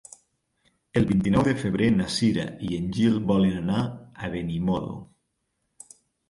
El vint-i-nou de febrer na Cira i en Gil volen anar a Benimodo.